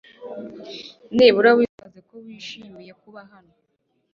Nibura witwaze ko wishimiye kuba hano .